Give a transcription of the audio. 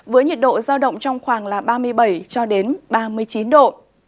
với nhiệt độ giao động trong khoảng ba mươi bảy ba mươi chín độ